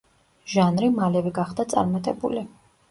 ჟანრი მალევე გახდა წარმატებული.